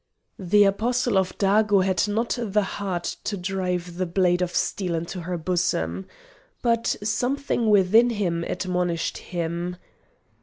The Apostle of Dago had not the heart to drive the blade of steel into her bosom. But something within him admonished him.